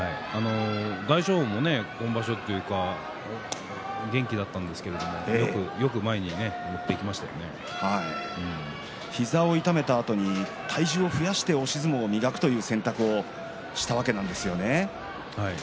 大翔鵬も今場所元気だったんですけれど膝を痛めたあとに体重を増やして押し相撲を磨くという選択をしたわけなんですよね。